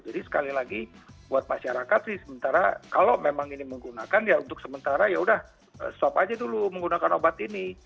jadi sekali lagi buat masyarakat sih sementara kalau memang ini menggunakan ya untuk sementara yaudah stop aja dulu menggunakan obat ini